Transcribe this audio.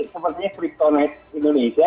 sepertinya kriptonet indonesia